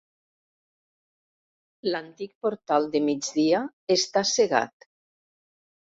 L'antic portal de migdia està cegat.